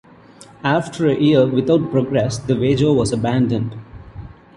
After a year without progress, the wager was abandoned.